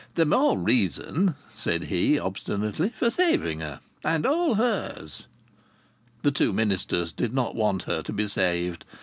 "The more reason," said he, obstinately, "for saving her!... And all hers!" The two ministers did not want her to be saved.